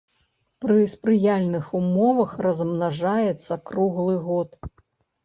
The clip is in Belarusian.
Пры спрыяльных умовах размнажаецца круглы год.